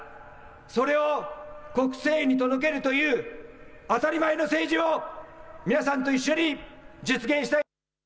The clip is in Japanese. それを国政に届けるという当たり前の政治を皆さんと一緒に実現したい。